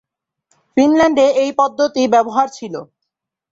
ফিনল্যান্ডে এই পদ্ধতি ব্যবহার ছিল।